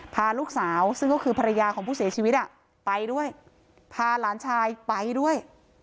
พาลูกสาวซึ่งก็คือภรรยาของผู้เสียชีวิตไปด้วยพาหลานชายไปด้วย